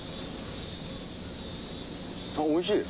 おいしい。